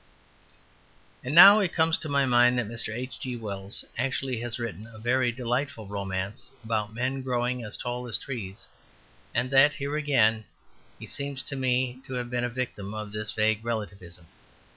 And now it comes to my mind that Mr. H. G. Wells actually has written a very delightful romance about men growing as tall as trees; and that here, again, he seems to me to have been a victim of this vague relativism.